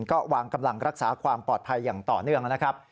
ก็วางกำลังรักษาความปลอดภัยอย่างต่อเนื่องนะครับ